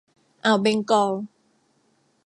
อ่าวเบงกอล